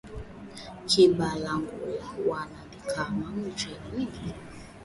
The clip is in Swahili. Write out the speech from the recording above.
Kibangula wana limaka muchele mingi